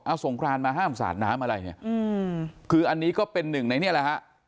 เอาสงครานมาห้ามสาดน้ำอะไรเนี่ยคืออันนี้ก็เป็นหนึ่งในเนี้ยแหละฮะ